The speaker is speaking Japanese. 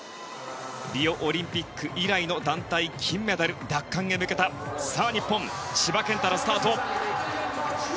リオオリンピック以来の団体金メダル奪還へ向けた日本千葉健太のスタート。